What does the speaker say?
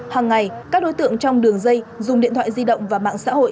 hàng ngày các đối tượng trong đường dây dùng điện thoại di động và mạng xã hội